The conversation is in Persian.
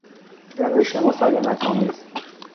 روش مسالمتآمیز